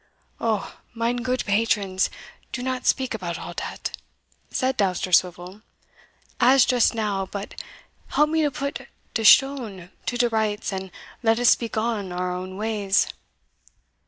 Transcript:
"Oh, mine good patrons, do not speak about all dat," said Dousterswivel, "as just now, but help me to put de shtone to de rights, and let us begone our own ways."